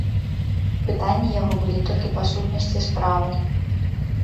Пытанні яго былі толькі па сутнасці справы.